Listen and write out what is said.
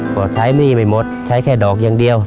ก็ใช้หนี้ไม่หมดใช้แค่ดอกอย่างเดียว